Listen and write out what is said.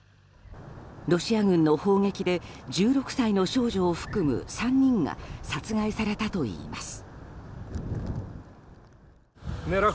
ロシア軍の砲撃で１６歳の少女を含む３人が殺害されたといいます。